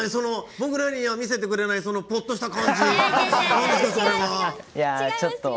僕らには見せてくれないそのポッとした感じ。